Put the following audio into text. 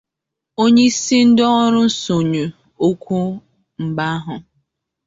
Onyeisi ndị ọrụ nsọnyụ ọkụ mba ahụ